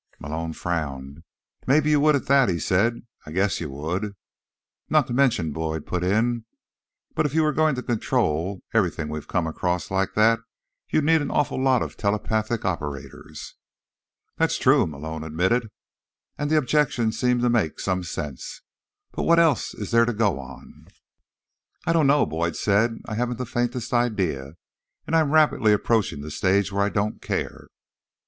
Malone frowned. "Maybe you would at that," he said. "I guess you would." "Not to mention," Boyd put in, "that if you were going to control everything we've come across like that you'd need an awful lot of telepathic operators." "That's true," Malone admitted. "And the objections seem to make some sense. But what else is there to go on?" "I don't know," Boyd said. "I haven't the faintest idea. And I'm rapidly approaching the stage where I don't care."